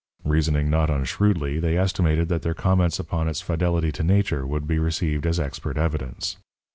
Reasoning not unshrewdly, they estimated that their comments upon its fidelity to nature would be received as expert evidence.